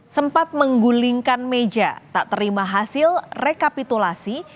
sempat menggulingkan meja tak terima hasil rekapitulasi